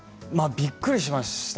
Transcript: びっくりしました。